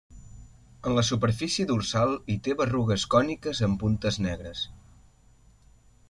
En la superfície dorsal hi té berrugues còniques amb puntes negres.